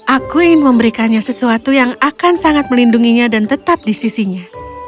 aku ingin memberikannya sesuatu yang akan sangat melindunginya dan tetap di sisinya